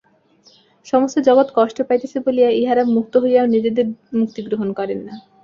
সমস্ত জগৎ কষ্ট পাইতেছে বলিয়া ইঁহারা মুক্ত হইয়াও নিজেদের মুক্তি গ্রহণ করেন না।